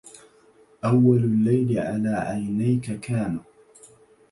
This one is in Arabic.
أوَّلُ الليل على عينيك, كان